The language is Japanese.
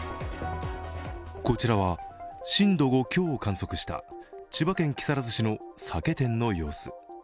こちらは震度５強を観測した千葉県木更津市の酒店の様子。